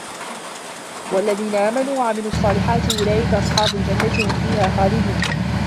وَالَّذِينَ آمَنُوا وَعَمِلُوا الصَّالِحَاتِ أُولَٰئِكَ أَصْحَابُ الْجَنَّةِ ۖ هُمْ فِيهَا خَالِدُونَ